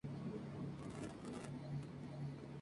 Así, Arias pudo emigrar al equipo del interior del país.